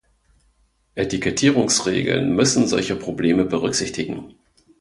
Etikettierungsregeln müssen solche Probleme berücksichtigen.